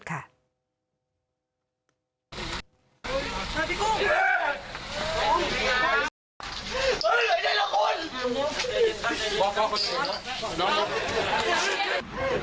ขอบค่าคนหนึ่งนะ